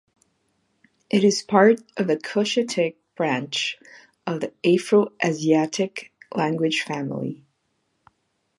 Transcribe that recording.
It is part of the Cushitic branch of the Afroasiatic language family.